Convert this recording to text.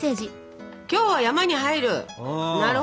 「今日は山に入る」。